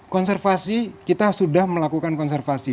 konservasi kita sudah melakukan konservasi